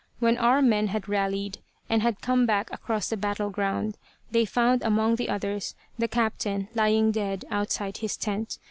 When our men had rallied, and had come back across the battle ground, they found among the others, the captain lying dead outside his tent.